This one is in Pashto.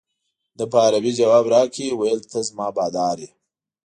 ده په عربي جواب راکړ ویل ته زما بادار یې.